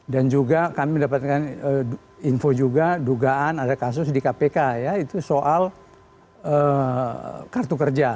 dan juga kami mendapatkan info juga dugaan ada kasus di kpk ya itu soal kartu kerja